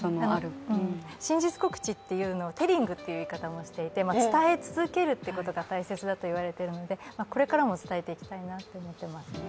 真実告知というのをテリングという言い方もしていて伝え続けるということが大切だといわれてるんでこれからも伝えていきたいなと思ってますね。